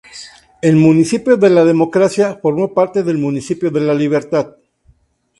El municipio de La Democracia formó parte del municipio de La Libertad.